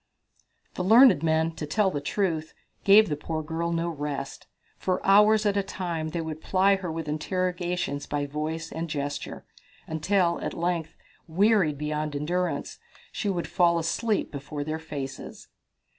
The learned men, to tell the truth, gave the poor girl no rest. For hours at a time they would ply her with interrogations by voice and by gesture, until, at length, wearied beyond endurance, she would fall asleep before their faces.